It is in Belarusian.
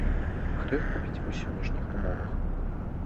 А хто іх купіць у сённяшніх умовах?